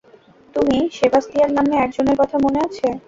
তুমি — সেবাস্তিয়ান নামে একজনের কথা মনে আছে?